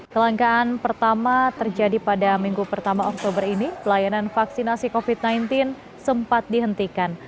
kelangkaan pertama terjadi pada minggu pertama oktober ini pelayanan vaksinasi covid sembilan belas sempat dihentikan